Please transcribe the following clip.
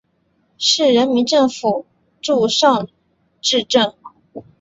市人民政府驻尚志镇。